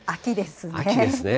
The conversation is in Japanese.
秋ですね。